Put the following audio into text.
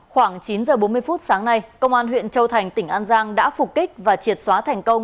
khoảng chín h bốn mươi phút sáng nay công an huyện châu thành tỉnh an giang đã phục kích và triệt xóa thành công